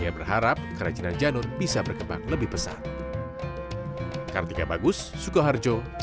ia berharap kerajinan canur bisa berkembang lebih besar